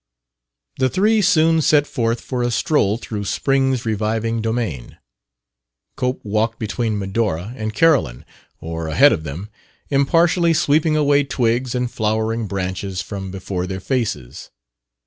The three soon set forth for a stroll through spring's reviving domain. Cope walked between Medora and Carolyn, or ahead of them, impartially sweeping away twigs and flowering branches from before their faces.